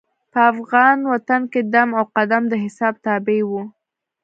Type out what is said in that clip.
په افغان وطن کې دم او قدم د حساب تابع وو.